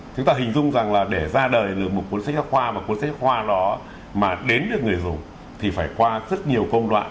chúng ta hình dung rằng là để ra đời được một cuốn sách giáo khoa và cuốn sách khoa đó mà đến được người dùng thì phải qua rất nhiều công đoạn